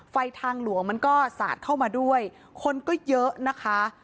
ทางหลวงมันก็สาดเข้ามาด้วยคนก็เยอะนะคะ